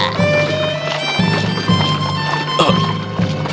lihat telinga kuda